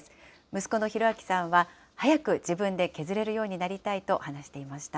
息子の広彰さんは早く自分で削れるようになりたいと話していまし